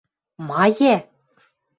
– Ма йӓ?